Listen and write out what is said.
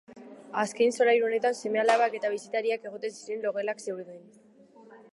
Azken solairu honetan seme-alabak eta bisitariak egoten ziren logelak zeuden.